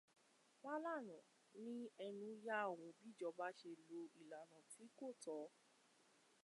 Fálànà ní ẹnú yà òun bí ìjọba ṣe lo ìlànà tí kò tọ́